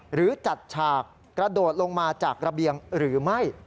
หรือจัดฉากกระโดดลงมาจากระเบียงหรือไม่